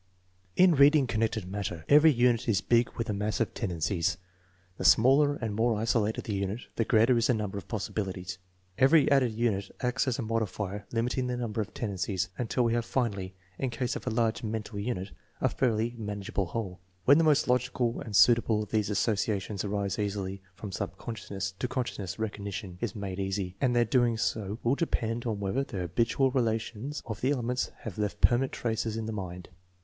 In reading connected matter, every unit is big with a mass of tendencies. The smaller and more isolated the unit, the greater is the number of possibilities. Every added unit acts as a modifier limiting the number of ten dencies, until we have finally, in case of a large mental unit, a fairly manageable whole. UVhen the most logical and suitable of these associations arise easily from subcon sciousness to consciousness, recognition is made easy, and their doing so will depend on whether the habitual relations of the elements have left permanent traces in the mind.>